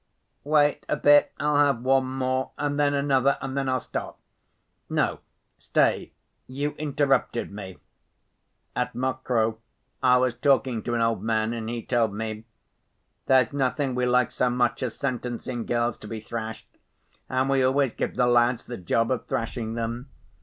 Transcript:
"Wait a bit. I'll have one more, and then another, and then I'll stop. No, stay, you interrupted me. At Mokroe I was talking to an old man, and he told me: 'There's nothing we like so much as sentencing girls to be thrashed, and we always give the lads the job of thrashing them.